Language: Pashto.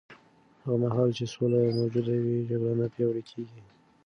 هغه مهال چې سوله موجوده وي، جګړه نه پیاوړې کېږي.